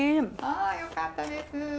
あよかったです。